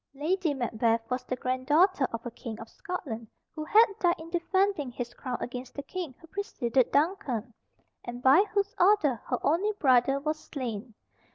Lady Macbeth was the grand daughter of a King of Scotland who had died in defending his crown against the King who preceded Duncan, and by whose order her only brother was slain.